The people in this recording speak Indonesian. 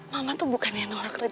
mama tuh bukannya nolak rezeki